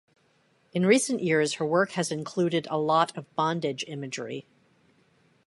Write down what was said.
In recent years, her work has included a lot of bondage imagery.